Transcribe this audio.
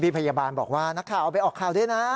พยาบาลบอกว่านักข่าวเอาไปออกข่าวด้วยนะ